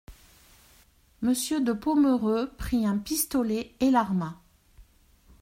Monsieur de Pomereux prit un pistolet et l'arma.